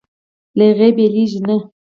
له هغې بېلېږي نه.